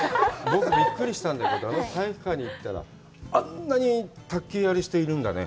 僕、びっくりしたんだけど、あの体育館に行ったら、あんなに卓球やる人いるんだね。